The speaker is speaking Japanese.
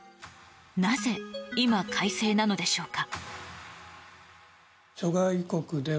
なぜ今、改正なのでしょうか。